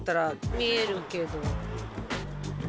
見えるけど。